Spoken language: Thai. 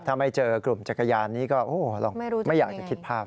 ถ้าไม่เจอกลุ่มจักรยานนี้ก็ไม่อยากจะคิดภาพ